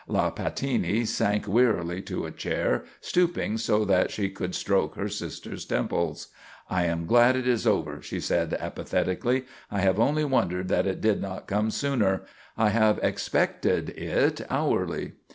La Pattini sank wearily to a chair, stooping so that she could stroke her sister's temples. "I am glad it is over," she said, apathetically. "I have only wondered that it did not come sooner. I have expected it hourly."